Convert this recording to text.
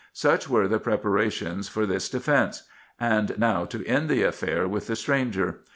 Such were the preparations for this defence ; and now to end the affair with the stranger.